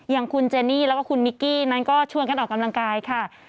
อย่างคุณเจนี่แล้วก็คุณมิกกี้นั้นก็ชวนกันออกกำลังกายค่ะ